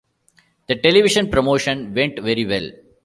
The television promotion went very well.